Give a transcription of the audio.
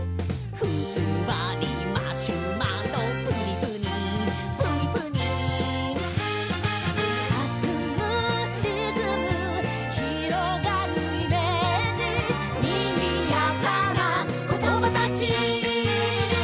「ふんわりマシュマロプニプニプニプニ」「はずむリズム」「広がるイメージ」「にぎやかなコトバたち」